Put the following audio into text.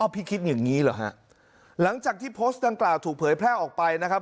คิดอย่างนี้เหรอฮะหลังจากที่โพสต์ดังกล่าวถูกเผยแพร่ออกไปนะครับ